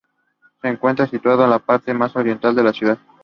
Se encuentra situado en la parte más oriental de la ciudad.